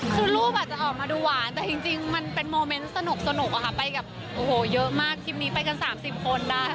คือรูปอาจจะออกมาดูหวานแต่จริงมันเป็นโมเมนต์สนุกอะค่ะไปกับโอ้โหเยอะมากคลิปนี้ไปกัน๓๐คนได้